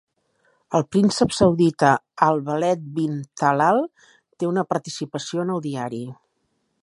El príncep saudita Al Waleed Bin Talal té una participació en el diari.